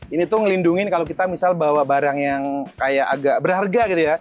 ini tuh ngelindungin kalau kita misal bawa barang yang kayak agak berharga gitu ya